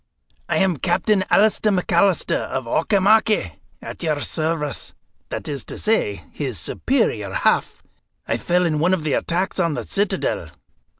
I am Captain Alister McAlister of Auchimachie, at your service, that is to say, his superior half. I fell in one of the attacks on the citadel.